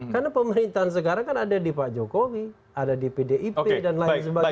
karena pemerintahan sekarang kan ada di pak jokowi ada di pdip dan lain sebagainya